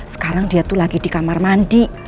sekarang dia tuh lagi di kamar mandi